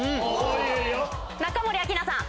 中森明菜さん。